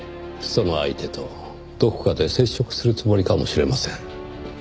その相手とどこかで接触するつもりかもしれません。